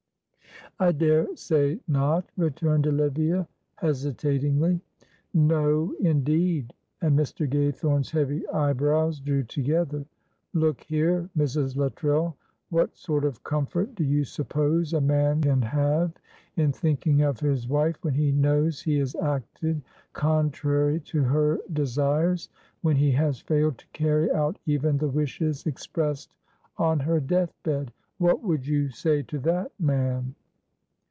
"I daresay not," returned Olivia, hesitatingly. "No, indeed" and Mr. Gaythorne's heavy eyebrows drew together "look here, Mrs. Luttrell, what sort of comfort do you suppose a man can have in thinking of his wife, when he knows he has acted contrary to her desires, when he has failed to carry out even the wishes expressed on her deathbed. What would you say to that man?"